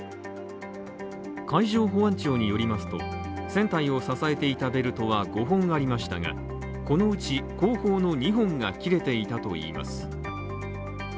海上保安庁によりますと、全体を支えていたベルトは５本がありましたが、このうち後方の２本が切れていたといいます。